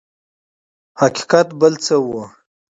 حقیقت بل څه و.